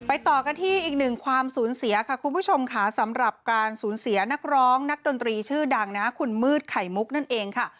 ต่อกันที่อีกหนึ่งความสูญเสียค่ะคุณผู้ชมค่ะสำหรับการสูญเสียนักร้องนักดนตรีชื่อดังนะคุณมืดไข่มุกนั่นเองค่ะ